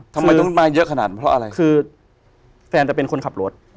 ทำไมต้องมาเยอะขนาดเพราะอะไร